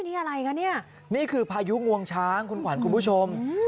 นี่อะไรคะเนี่ยนี่คือพายุงวงช้างคุณขวัญคุณผู้ชม